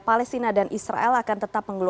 palestina dan israel akan tetap